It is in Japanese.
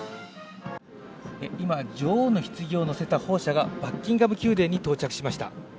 今、女王のひつぎを乗せた砲車がバッキンガム宮殿に到着しました。